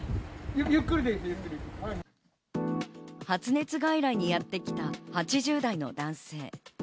発熱外来にやってきた８０代の男性。